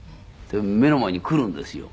目の前に来るんですよ